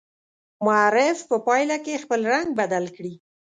معرف په پایله کې خپل رنګ بدل کړي.